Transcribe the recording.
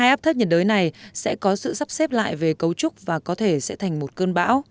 áp thấp nhiệt đới này sẽ có sự sắp xếp lại về cấu trúc và có thể sẽ thành một cơn bão